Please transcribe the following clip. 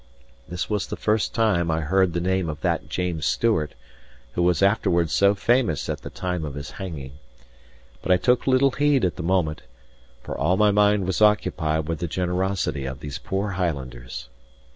This was the first time I heard the name of that James Stewart, who was afterwards so famous at the time of his hanging. But I took little heed at the moment, for all my mind was occupied with the generosity of these poor Highlanders.